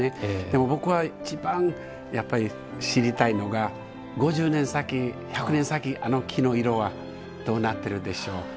でも僕は一番やっぱり知りたいのが５０年先１００年先あの木の色はどうなってるでしょう。